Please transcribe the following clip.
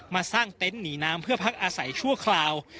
มาสร้างเต็นต์หนีน้ำเพื่อพักอาศัยชั่วคราว